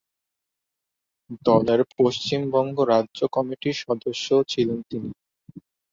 দলের পশ্চিমবঙ্গ রাজ্য কমিটির সদস্যও ছিলেন তিনি।